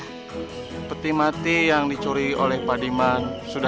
apa sih yang gak enak kalau buat mereka ma